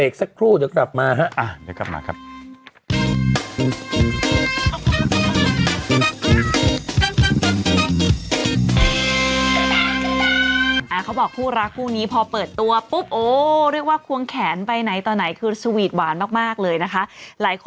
กล้าเชิญด้วยไหมเนี่ยกล้าเชิญ